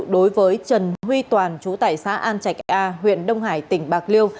đối với trần huy toàn chú tải xã an trạch a huyện đông hải tỉnh bạc liêu